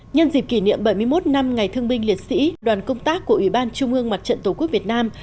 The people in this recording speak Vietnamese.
nhân dịp kỷ niệm bảy mươi một năm ngày thương binh liệt sĩ đoàn công tác của ủy ban trung ương mặt trận tổ quốc việt nam